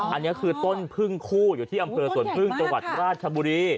อันนี้คือต้นพึ่งคู่อยู่ที่อำเภอสวนพึ่งจังหวัดราชบุรี